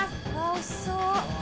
おいしそう。